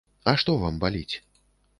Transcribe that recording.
А што вам баліць?